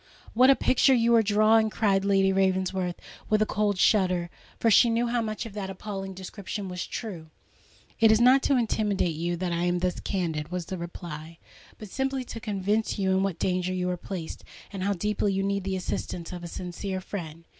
what a picture you are drawing!" cried Lady Ravensworth, with a cold shudder—for she knew how much of that appalling description was true! "It is not to intimidate you, that I am thus candid," was the reply; "but simply to convince you in what danger you are placed, and how deeply you need the assistance of a sincere friend."